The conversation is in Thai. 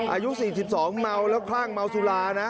อายุ๔๒คลั่งเมาสุรานะ